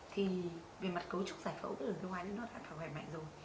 thì về mặt cấu trúc giải phẫu của đường tiêu hóa thì nó đã phải khỏe mạnh rồi